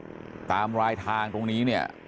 กล้องวงจรปิดตามรายทางตรงนี้เนี่ย